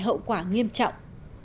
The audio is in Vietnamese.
hậu quả nghiêm trọng